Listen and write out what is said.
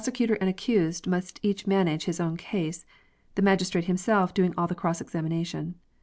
7 9 cutor and accused must each manage his own case, the masfistrate himself doinf]^ all the cross examination.